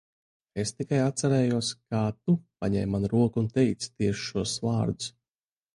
Es tikai atcerējos, kā tu paņēmi manu roku un teici tieši šos vārdus.